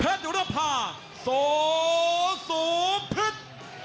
เพชรอยู่ด้านฝ่าโสสูพิษ